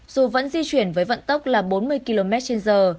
dù vẫn di chuyển với vận tốc là bốn mươi km trên giờ